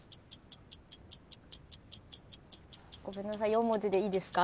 ４文字でいいですか？